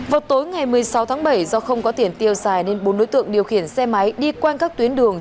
vào tối ngày một mươi sáu tháng bảy do không có tiền tiêu xài nên bốn đối tượng điều khiển xe máy đi quanh các tuyến đường